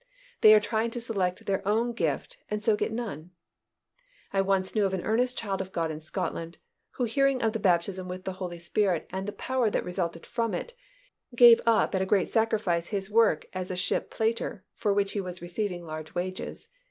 They are trying to select their own gift and so get none. I once knew an earnest child of God in Scotland, who hearing of the baptism with the Holy Spirit and the power that resulted from it, gave up at a great sacrifice his work as a ship plater, for which he was receiving large wages.